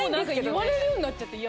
言われるようになっちゃって。